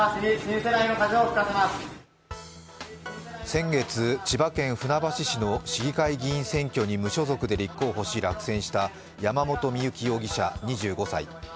先月、千葉県船橋市の市議会議員選挙に無所属で立候補し、落選した山本深雪容疑者２５歳。